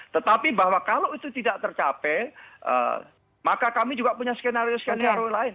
tetapi bahwa kalau itu tidak tercapai maka kami juga punya skenario skenario lain